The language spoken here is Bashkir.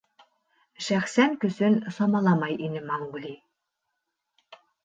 Шәхсән көсөн самаламай ине Маугли.